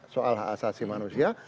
soal hak asasi manusia